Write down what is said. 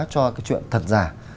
cho cái chuyện thật giả